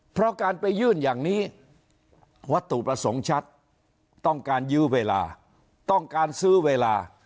เพราะการไปยื่นอย่างนี้วัตถุประสงค์ชัดต้องการยื้อเวลาต้องการซื้อเวลา